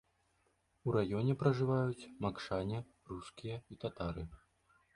У раёне пражываюць макшане, рускія і татары.